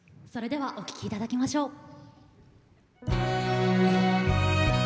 それではお聴きいただきましょう。